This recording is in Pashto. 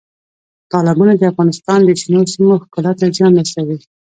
تالابونه د افغانستان د شنو سیمو ښکلا ته زیان رسوي.